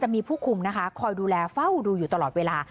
มีผู้คุมนะคะคอยดูแลเฝ้าดูอยู่ตลอดเวลา